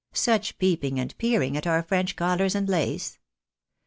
Such peeping and peering at our French collars and lace.